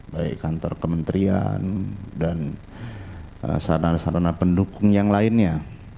baik kantor kementerian dan sarana sarana pendukung yang lainnya